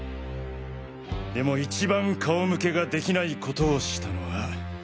でも一番顔向けができない事をしたのは。